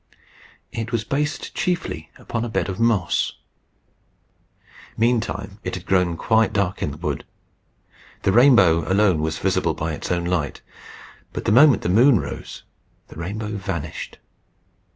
It was based chiefly upon a bed of moss. Meantime it had grown quite dark in the wood. The rainbow alone was visible by its own light. But the moment the moon rose the rainbow vanished.